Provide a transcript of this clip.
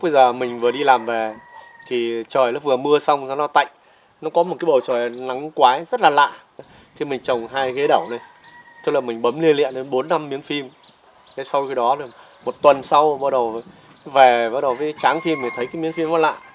vì đó một tuần sau bắt đầu về bắt đầu tráng phim mình thấy cái miếng phim có lạ